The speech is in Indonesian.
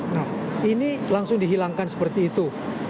nah ini langsung dihilangkan seperti itu